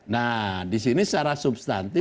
nah disini secara substansial